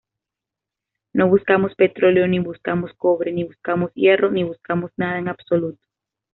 No buscamos petróleo, ni buscamos cobre, ni buscamos hierro, ni buscamos nada en absoluto.